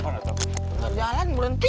gak jalan berhenti